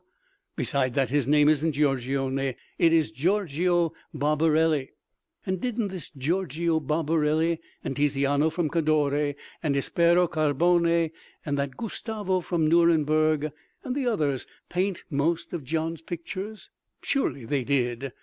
Beside that, his name isn't Giorgione—it is Giorgio Barbarelli. And didn't this Giorgio Barbarelli, and Tiziano from Cadore, and Espero Carbonne, and that Gustavo from Nuremberg, and the others paint most of Gian's pictures? Surely they did.